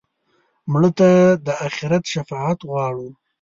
مړه ته د آخرت شفاعت غواړو